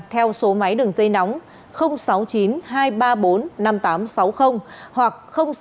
theo số máy đường dây nóng sáu mươi chín hai trăm ba mươi bốn năm nghìn tám trăm sáu mươi hoặc sáu mươi chín hai trăm ba mươi bốn năm nghìn tám trăm sáu mươi